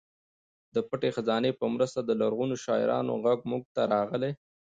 د پټې خزانې په مرسته د لرغونو شاعرانو غږ موږ ته راغلی.